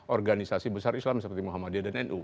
organisasi besar islam seperti muhammadiyah dan nu